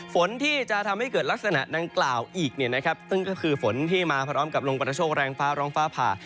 ฝนที่จะทำให้เกิดลักษณะดังกล่าวอีกซึ่งก็คือฝนที่มาพร้อมกับลมกระโชคแรงฟ้าร้องฟ้าผ่า